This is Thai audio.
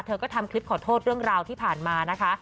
เธอก็ทำคลิปขอโทษเรื่องราวที่ผ่านมานะคะ